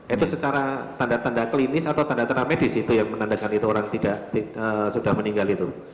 itu secara tanda tanda klinis atau tanda tanda medis itu yang menandakan itu orang sudah meninggal itu